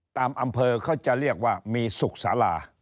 ตามอำเภอเขาจะเรียกว่ามีสุขศาลา